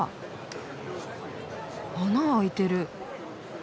穴開いてる。